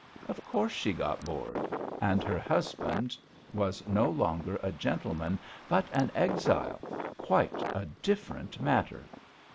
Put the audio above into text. Of course she got bored. And her husband was no longer a gentleman, but an exile quite a different matter.